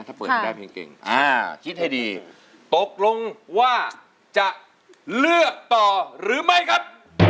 ถ้าเปิดได้เพลงเก่งอ่าคิดให้ดีตกลงว่าจะเลือกต่อหรือไม่ครับ